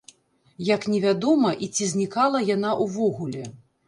Як невядома і ці знікала яна ўвогуле.